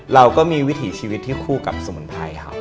เราก็มีวิถีชีวิตที่คู่กับสมุนไพรครับ